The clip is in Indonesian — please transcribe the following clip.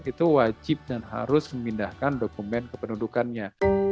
itu wajib dan harus memindahkan dokumen kependudukannya